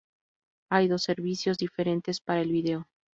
Hay dos versiones diferentes para el vídeo.